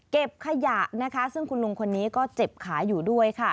เก็บขยะนะคะซึ่งคุณลุงคนนี้ก็เจ็บขาอยู่ด้วยค่ะ